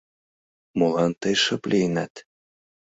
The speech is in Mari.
Молан тый шып лийынат?